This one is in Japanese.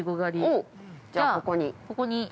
◆じゃあ、ここに。